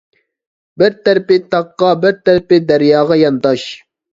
بىر تەرىپى تاغقا، بىر تەرىپى دەرياغا يانداش.